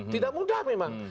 tidak mudah memang